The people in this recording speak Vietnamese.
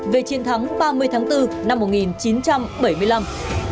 về chiến thắng ba mươi tháng bốn năm một nghìn chín trăm bảy mươi năm